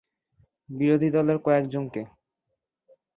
বিরোধী দলের কয়েকজনকে!